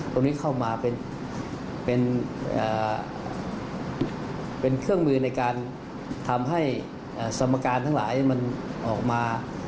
ตรงนี้เข้ามาเป็นเครื่องมือในการทำให้สมการทั้งหลายมันออกมา